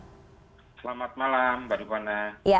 selamat malam mbak rifana